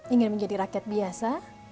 ingin menjadi rakyat biasa